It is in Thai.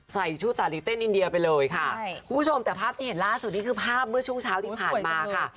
ใส่ชุดสาลีเต้นอินเดียไปเลยค่ะใช่คุณผู้ชมแต่ภาพที่เห็นล่าสุดนี้คือภาพเมื่อช่วงเช้าที่ผ่านมาค่ะ